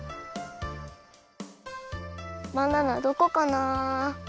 バナナどこかな？